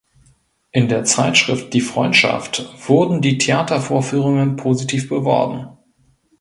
In der Zeitschrift "Die Freundschaft" wurden die Theatervorführungen positiv beworben.